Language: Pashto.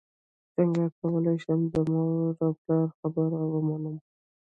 څنګه کولی شم د مور او پلار خبره ومنم